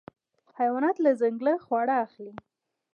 حیوانات له ځنګله خواړه اخلي.